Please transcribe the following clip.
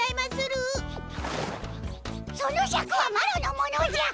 そのシャクはマロのものじゃ！